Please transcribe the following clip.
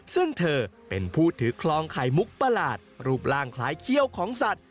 ซึ่งเธอเป็นผู้ถือคลองไข่มุกประหลาดรูปร่างคล้ายเขี้ยวของสัตว์